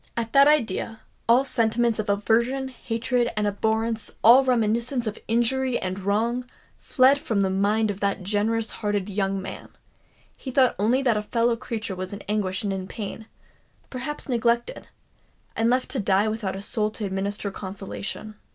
At that idea, all sentiments of aversion, hatred, and abhorrence,—all reminiscence of injury and wrong, fled from the mind of that generous hearted young man: he thought only that a fellow creature was in anguish and in pain—perhaps neglected, and left to die without a soul to administer consolation!